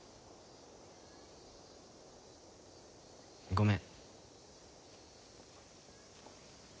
ごめん。